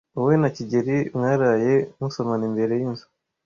Wowe na kigeli mwaraye musomana imbere yinzu?